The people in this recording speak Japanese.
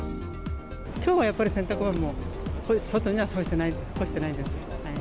きょうはやっぱり洗濯物はもう、外には干してないです。